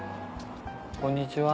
こんにちは。